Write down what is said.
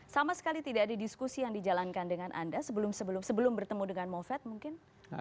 sama sekali tidak ada diskusi yang dijalankan dengan anda sebelum bertemu dengan moved mungkin